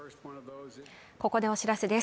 ここでお知らせです